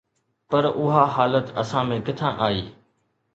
پر اها حالت اسان ۾ ڪٿان آئي؟